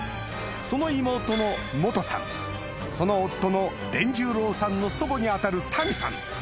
その妹のモトさんその夫の伝重郎さんの祖母に当たるタミさん